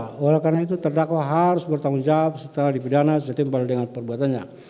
walaikannya terdakwa harus bertanggung jawab setelah dipidana setimpal dengan perbuatannya